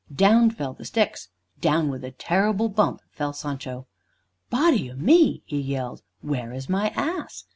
Down fell the sticks; down with a terrible bump fell Sancho. "Body o' me!" he yelled, "where is my ass?"